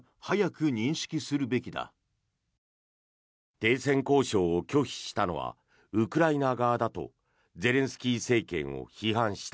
停戦交渉を拒否したのはウクライナ側だとゼレンスキー政権を批判した。